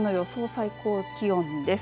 最高気温です。